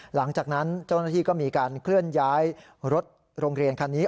หลังจากนั้นเจ้าหน้าที่ก็มีการเคลื่อนย้ายรถโรงเรียนคันนี้